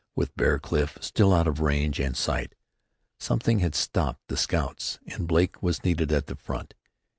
With Bear Cliff still out of range and sight, something had stopped the scouts, and Blake was needed at the front.